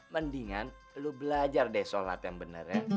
mendingan lu belajar deh sholat yang bener ya